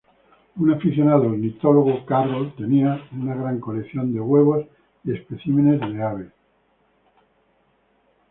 Un aficionado ornitólogo, Carroll tenía una gran colección de huevos y especímenes de aves.